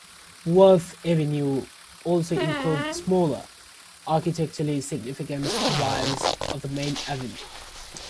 Worth Avenue also includes smaller, architecturally significant "vias" off the main avenue.